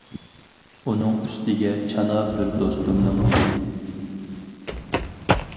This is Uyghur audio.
ئۇنىڭ ئۈستىگە چانا بىر دوستۇمنىڭ ئىدى.